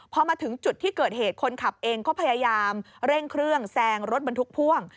พอมาถึงจุดที่เกิดเหตุคนขับเองก็พยายามเร่งเครื่องแซงรถบรรทุกพ่วง